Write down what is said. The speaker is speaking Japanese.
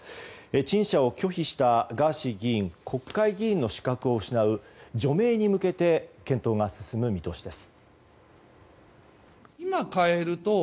陳謝を拒否したガーシー議員国会議員の資格を失う除名に向けて検討が進む見通しです。